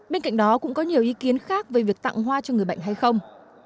bên cạnh đó cũng có nhiều ý kiến khác về việc tặng hoa cho người bệnh hay không